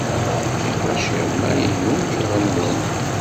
Iqaciren-a inu neɣ nwen?